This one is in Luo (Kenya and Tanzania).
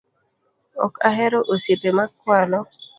Ok ahero osiepe ma kwalo